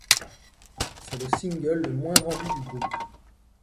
C'est le single le moins vendu du groupe.